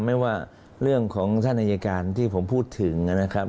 ไม่ว่าเรื่องของท่านอายการที่ผมพูดถึงนะครับ